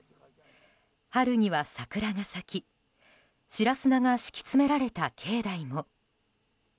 春には桜が咲き白砂が敷き詰められた境内も。